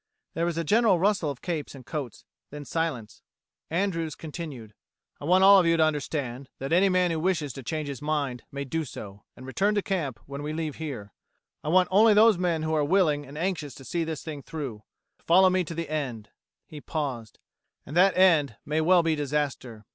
There was a general rustle of capes and coats: then silence. Andrews continued: "I want all of you to understand that any man who wishes to change his mind may do so, and return to camp when we leave here. I want only those men who are willing and anxious to see this thing through, to follow me to the end" he paused "and that end may well be disaster.